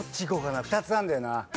２つあんだよな。